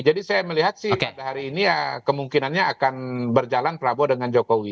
jadi saya melihat sih pada hari ini ya kemungkinannya akan berjalan prabowo dengan jokowi